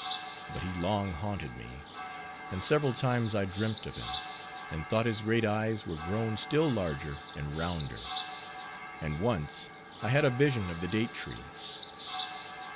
But he long haunted me; and several times I dreamt of him, and thought his great eyes were grown still larger and rounder; and once I had a vision of the date tree.